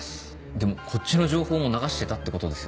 でもこっちの情報も流してたってことですよね。